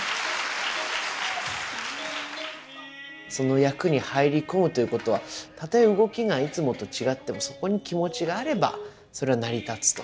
その役に入り込むということはたとえ動きがいつもと違ってもそこに気持ちがあればそれは成り立つと。